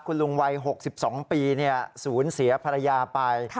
คุณลุงวัย๖๒ปีศูนย์เสียภรรยาไป